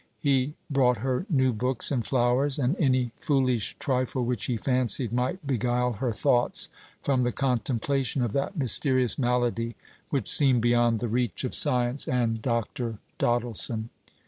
He brought her new books and flowers, and any foolish trifle which he fancied might beguile her thoughts from the contemplation of that mysterious malady which seemed beyond the reach of science and Dr. Doddleson.